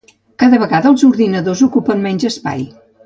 Cada vegada els ordinadors ocupen menys espai.